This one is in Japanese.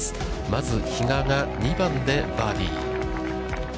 まず比嘉が、２番でバーディー。